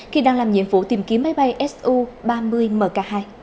khi đang làm nhiệm vụ tìm kiếm máy bay su ba mươi mk hai